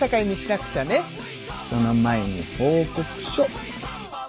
その前に報告書！